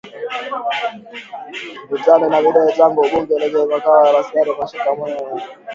Mivutano imetanda tangu bunge lenye makao yake mashariki mwa nchi hiyo kumwapisha Waziri Mkuu